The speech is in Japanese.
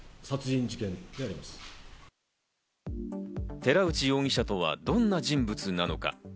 寺内容疑者とはどんな人物なのか？